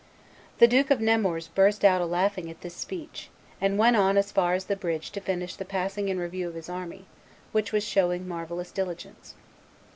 The Duke of Nemours burst out a laughing at this speech, and went on as far as the bridge to finish the passing in review of his army, which was showing marvellous diligence."